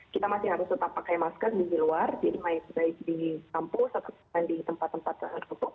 kita masih harus tetap pakai masker di luar jadi baik di kampus atau di tempat tempat tertutup